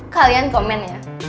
kalian komen ya